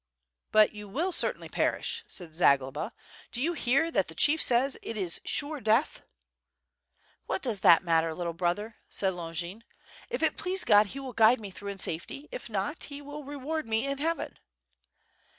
"But you will certainly perish,'' said Zagloba. "Do you hear that the chief says it is sure death?" "What does that matter, little brother?" said Longin, "if it please God He will guide me through in safety, if not. He will reward me in Heaven."